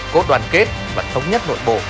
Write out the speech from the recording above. cốt đoàn kết và thống nhất